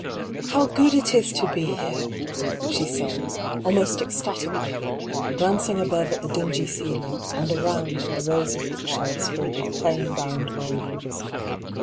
" How good it is to be here !" she said, almost ecstat ically, glancing above at the dingy ceiling, and around at the rows of bookshelves filled with plain bound volumes.